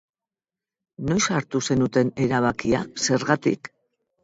Noiz hartu zenuten erabakia, zergatik?